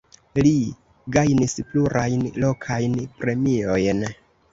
Li gajnis plurajn lokajn premiojn.